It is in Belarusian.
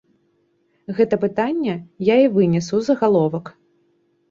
Гэта пытанне я і вынес у загаловак.